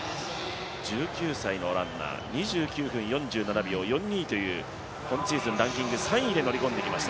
１９歳のランナー、２９分４７秒４２という今シーズンランキング３位に這入りこんできました。